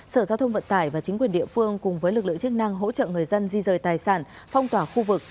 sở giao thông vận tải và chính quyền địa phương cùng với lực lượng chức năng hỗ trợ người dân di rời tài sản phong tỏa khu vực